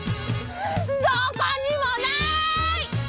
どこにもない！